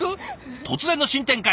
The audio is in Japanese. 突然の新展開。